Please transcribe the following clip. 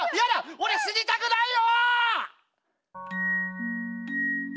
俺死にたくないよ！